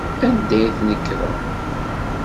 Anda ay d-tnekrem?